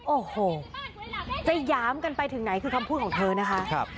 โอ้โหจะหยามกันไปถึงไหนคือคำพูดของเธอนะคะ